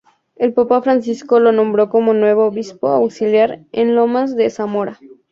El papa Francisco lo nombró como nuevo Obispo Auxiliar de Lomas de Zamora.